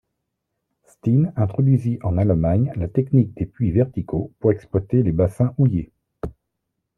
Stinnes introduisit en Allemagne la technique des puits verticaux pour exploiter les bassins houillers.